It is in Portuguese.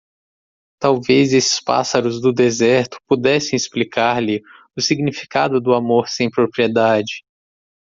Talvez esses pássaros do deserto pudessem explicar-lhe o significado do amor sem propriedade.